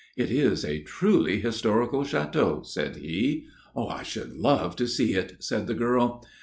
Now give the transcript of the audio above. "It is a truly historical château," said he. "I should love to see it," said the girl.